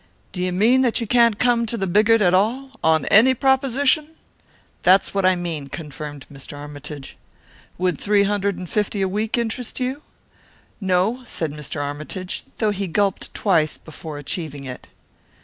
"Do you mean that you can't come to the Bigart at all on any proposition?" "That's what I mean," confirmed Mr. Armytage. "Would three hundred and fifty a week interest you?" "No," said Mr. Armytage, though he gulped twice before achieving it.